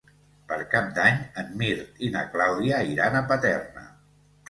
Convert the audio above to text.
Per Cap d'Any en Mirt i na Clàudia iran a Paterna.